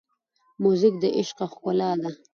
موزیک د عشقه ښکلا ده.